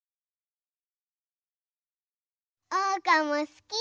おうかもすき！